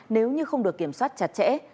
nếu như không được kiểm soát chặt chẽ